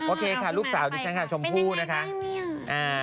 โอเคค่ะลูกสาวดิฉันค่ะชมพู่นะคะ